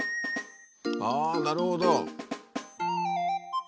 ああなるほど。